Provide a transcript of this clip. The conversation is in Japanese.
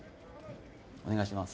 お願いします